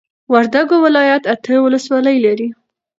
وردوګو ولايت اته ولسوالۍ لري